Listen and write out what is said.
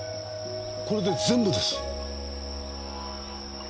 これで全部です。